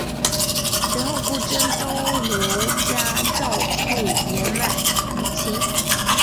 随后顾琛都留家照顾年迈母亲。